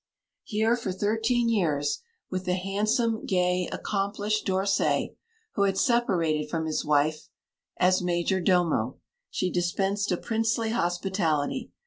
Here for thirteen years, with the handsome, gay, accomplished d'Orsay, who had separated from his wife, as major domo, she dispensed a princely hospitality.